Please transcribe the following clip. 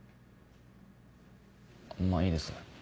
まぁいいです。